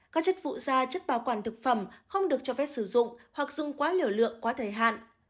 các chất phụ da chất bảo quản thực phẩm không được cho phép sử dụng hoặc dùng quá liều lượng quá thời hạn